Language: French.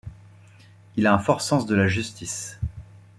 Il a un fort sens de la justice.